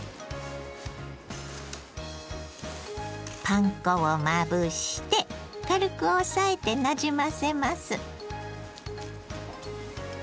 パン粉をまぶして軽く押さえてなじませます。